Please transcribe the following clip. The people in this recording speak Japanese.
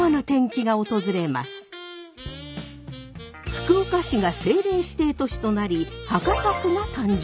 福岡市が政令指定都市となり博多区が誕生。